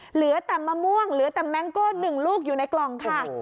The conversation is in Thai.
เหลือแต่มะม่วงเหลือแต่แมงโก้๑ลูกอยู่ในกล่องค่ะ